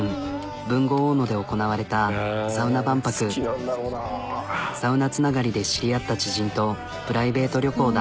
豊後大野で行なわれたサウナつながりで知り合った知人とプライベート旅行だ。